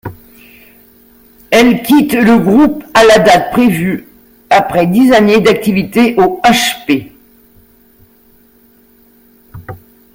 Elle quitte le groupe à la date prévue, après dix années d'activité au H!P.